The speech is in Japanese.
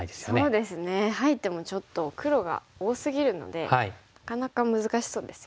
そうですね入ってもちょっと黒が多すぎるのでなかなか難しそうですよね。